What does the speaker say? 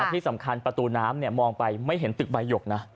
ที่สำคัญประตูน้ำมองไปไม่เห็นตึกใบหยกนะ